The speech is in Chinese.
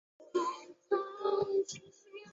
此举遭到后者否定。